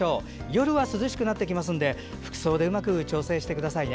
夜は涼しくなってきますので服装でうまく調節してください。